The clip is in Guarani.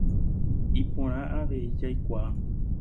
Iporã avei jaikuaa.